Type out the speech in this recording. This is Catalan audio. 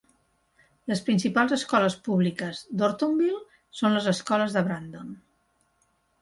Les principals escoles públiques d'Ortonville són les escoles de Brandon.